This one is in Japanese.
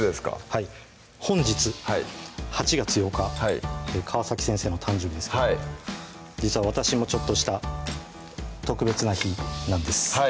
はい本日８月８日川先生の誕生日ですけど実は私もちょっとした特別な日なんです